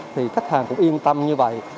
thì khách hàng cũng yên tâm như vậy